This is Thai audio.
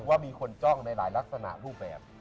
ว่ามีคนจ้องในหลายลักษณะรูปแบบ